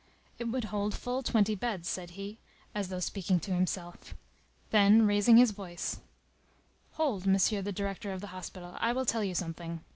"It would hold full twenty beds," said he, as though speaking to himself. Then, raising his voice:— "Hold, Monsieur the director of the hospital, I will tell you something.